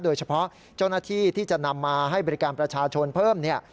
โดยเฉพาะเจ้าหน้าที่ที่จะนำมาให้บริการประชาชนเพิ่มเนี่ย